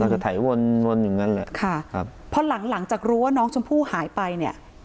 แล้วก็ไถวนวนอย่างนั้นแหละค่ะครับพอหลังหลังจากรู้ว่าน้องชมพู่หายไปเนี่ย